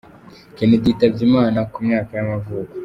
Kennedy yitabye Imana, ku myaka y’amavuko.